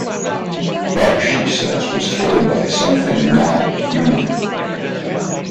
Buck, she says, was killed by something not human.